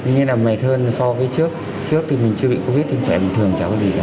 như là mệt hơn so với trước trước thì mình chưa bị covid thì khỏe bình thường chẳng có gì cả